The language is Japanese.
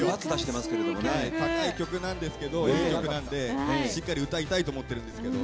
高い曲なんですけどいい曲なんで、しっかり歌いたいと思ってるんですけど。